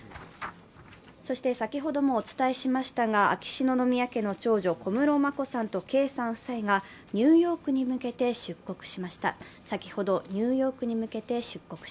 先ほどもお伝えしましたが秋篠宮家の長女・小室眞子さんと圭さん夫妻がニューヨークに向けて出国しました。